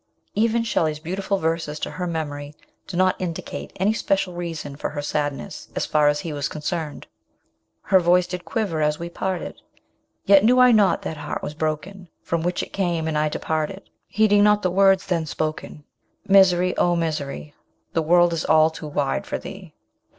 Even Shelley's beautiful verses to her memory do not indicate any special reason for her sadness, as far as he was concerned. Her voice did quiver as we parted, Yet knew I not that heart was broken From which it came, and I departed, Heeding not the words then spoken. Misery oh Misery ! This world is all too wide for thee.